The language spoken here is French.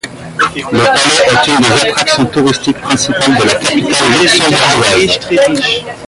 Le palais est une des attractions touristiques principales de la capitale luxembourgeoise.